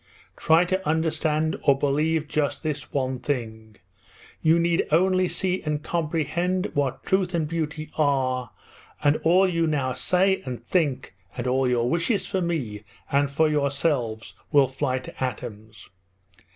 Try to understand or believe just this one thing: you need only see and comprehend what truth and beauty are, and all that you now say and think and all your wishes for me and for yourselves will fly to atoms!